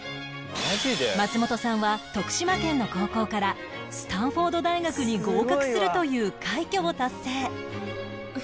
松本さんは徳島県の高校からスタンフォード大学に合格するという快挙を達成